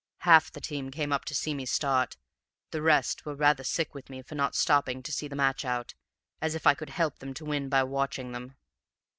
Half the team came up to see me start; the rest were rather sick with me for not stopping to see the match out, as if I could help them to win by watching them.